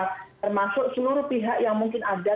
termasuk seluruh pihak yang mungkin ada di luar